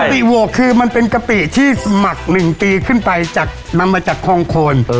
กะปิโว่คือมันเป็นกะปิที่หมักหนึ่งตีขึ้นไปมาจากคลองโคน